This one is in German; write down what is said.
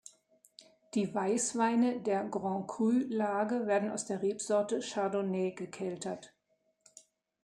Die Weißweine der Grand Cru Lage werden aus der Rebsorte Chardonnay gekeltert.